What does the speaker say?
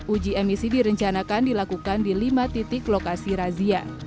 uji emisi direncanakan dilakukan di lima titik lokasi razia